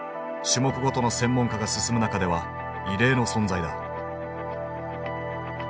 種目ごとの専門化が進む中では異例の存在だ。